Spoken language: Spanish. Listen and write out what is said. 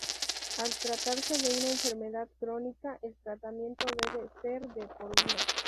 Al tratarse de una enfermedad crónica, el tratamiento debe ser de por vida.